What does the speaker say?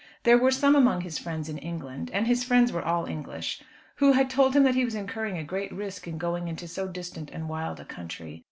There were some among his friends in England and his friends were all English who had told him that he was incurring a great risk in going into so distant and wild a country.